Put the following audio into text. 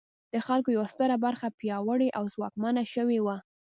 د خلکو یوه ستره برخه پیاوړې او ځواکمنه شوې وه.